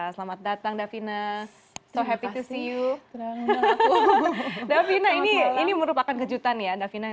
selamat datang davina